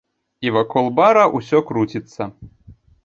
І вакол бара ўсё круціцца.